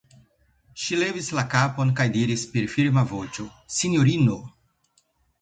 Ŝi levis la kapon kaj diris per firma voĉo: -- Sinjorino!